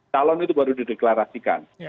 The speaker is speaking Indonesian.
calon itu baru dideklarasikan